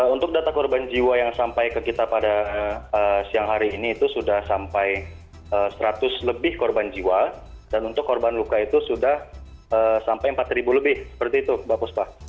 untuk data korban jiwa yang sampai ke kita pada siang hari ini itu sudah sampai seratus lebih korban jiwa dan untuk korban luka itu sudah sampai empat lebih seperti itu mbak puspa